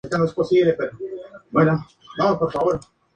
Las arengas se incluyen a veces en situaciones que requieren un monólogo.